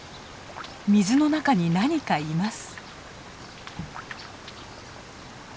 水の中に何かいます。